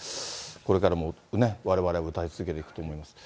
これからもね、われわれ歌い続けていくと思います。